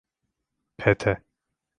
Pete.